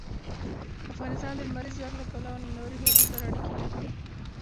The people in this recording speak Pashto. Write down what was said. افغانستان د لمریز ځواک له پلوه له نورو هېوادونو سره اړیکې لري.